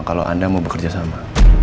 kalau anda mau bekerja sama